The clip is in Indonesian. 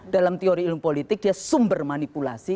dalam teori ilmu politik dia sumber manipulasi